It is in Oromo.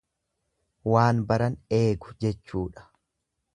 Waan baran eegu jechuudha.